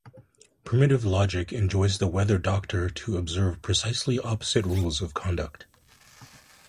Primitive logic enjoins the weather-doctor to observe precisely opposite rules of conduct.